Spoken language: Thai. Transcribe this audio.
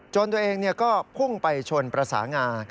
จนตัวเองเนี่ยก็พุ่งไปชนประสานงา